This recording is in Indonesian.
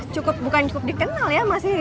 cukup bukan cukup dikenal ya